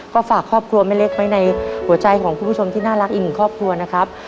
ก็ฝากครอบครัวแม่เล็กไว้ในหัวใจของคุณผู้ชมที่น่ารักอีกหนึ่งครอบครัวนะครับ